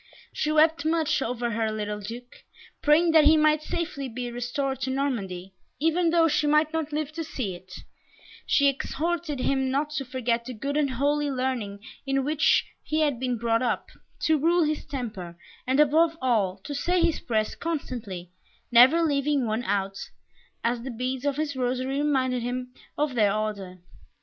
She wept much over her little Duke, praying that he might safely be restored to Normandy, even though she might not live to see it; she exhorted him not to forget the good and holy learning in which he had been brought up, to rule his temper, and, above all, to say his prayers constantly, never leaving out one, as the beads of his rosary reminded him of their order.